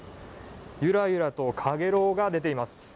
ゆらゆらと、かげろうが出ています